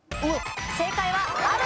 正解はある。